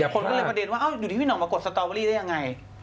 คนก็เลยประเด็นว่าอยู่ที่พี่ห่องมากดสตอเวอรี่ได้ยังไง